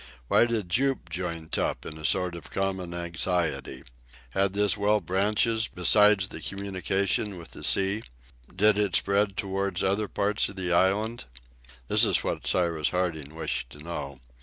Why did Jup join Top in a sort of common anxiety? Had this well branches besides the communication with the sea? Did it spread towards other parts of the island? This is what Cyrus Harding wished to know.